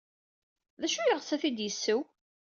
D acu ay yeɣs ad t-id-yesseww?